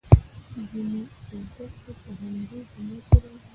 دیني زده کړې په همدې جمله کې راځي.